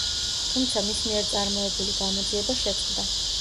თუმცა მის მიერ წარმოებული გამოძიება შეწყდა.